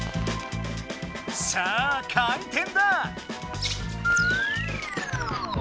さあ回転だ！